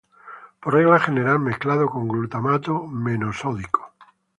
Por regla general mezclado con glutamato monosódico.